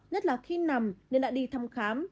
nhất là khi nằm nên đã đi thăm khám